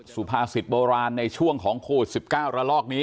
สุภาษิตโบราณในช่วงของโควิด๑๙ระลอกนี้